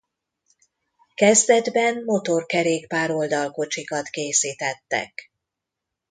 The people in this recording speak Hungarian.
Kezdetben motorkerékpár-oldalkocsikat készítettek.